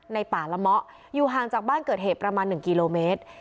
ป่าละเมาะอยู่ห่างจากบ้านเกิดเหตุประมาณ๑กิโลเมตร